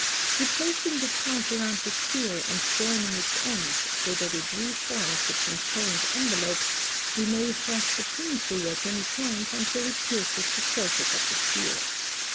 (138) Replacing the chart around the sphere and joining its ends, so that it re forms the transparent envelope, we may thrust a pin through at any point until it pierces the surface of the sphere.